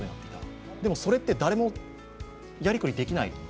でもそれって誰もやりくりできない。